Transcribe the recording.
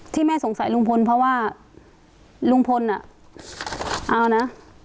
ที่แม่สงสัยลุงพลเพราะว่าลุงพลอ่ะเอานะ